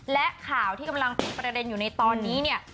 และข่าวที่กำลังเป็นประเด็นอยู่ในตอนนี้เนี่ย